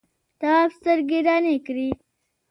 تواب سترګې رڼې کړې.